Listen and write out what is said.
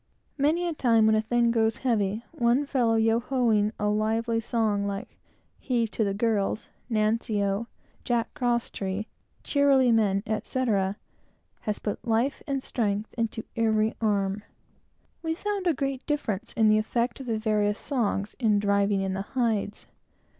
Many a time, when a thing goes heavy, with one fellow yo ho ing, a lively song, like "Heave, to the girls!" "Nancy oh!" "Jack Cross tree," etc., has put life and strength into every arm. We often found a great difference in the effect of the different songs in driving in the hides.